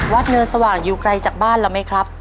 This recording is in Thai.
เนินสว่างอยู่ไกลจากบ้านเราไหมครับ